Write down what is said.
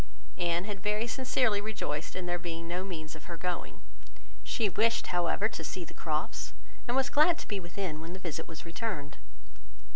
Anne had very sincerely rejoiced in there being no means of her going. She wished, however to see the Crofts, and was glad to be within when the visit was returned.